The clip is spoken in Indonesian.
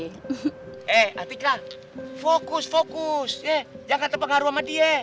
eh atika fokus fokus ya jangan terpengaruh sama dia